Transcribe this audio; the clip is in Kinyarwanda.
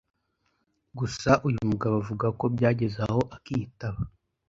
Gusa uyu mugabo avuga ko byageze aho akitaba